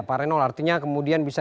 pak renol artinya kemudian bisa